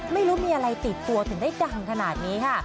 ไม่รู้มีอะไรติดตัวถึงได้ดังขนาดนี้ค่ะ